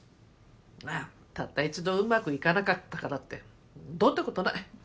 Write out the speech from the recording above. まあたった一度うまくいかなかったからってどうってことない。